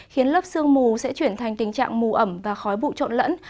khiến lớp sương mù sẽ chuyển thành tình trạng mù ẩm và khói bụi trộn lẫn